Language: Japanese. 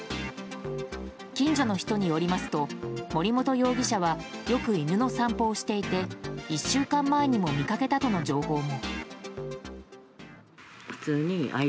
近所の人によりますと森本容疑者はよく犬の散歩をしていて１週間前にも見かけたとの情報も。